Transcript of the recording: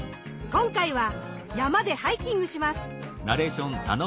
今回は山でハイキングします。